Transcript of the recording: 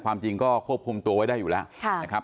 ความจริงก็ควบคุมตัวไว้ได้อยู่แล้วนะครับ